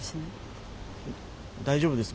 大丈夫です